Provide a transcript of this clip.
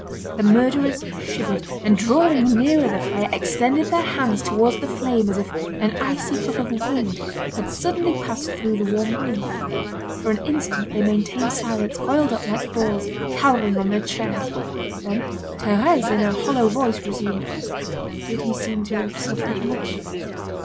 The murderers shivered, and drawing nearer the fire, extended their hands towards the flame as if an icy puff of wind had suddenly passed through the warm room. For an instant they maintained silence, coiled up like balls, cowering on their chairs. Then Thérèse, in a hollow voice, resumed: "Did he seem to have suffered much?"